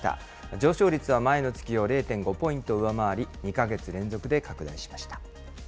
上昇率は前の月を０．５ポイント上回り、２か月連続で拡大しました。